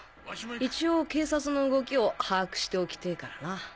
一応警察の動きを把握しておきてぇからな。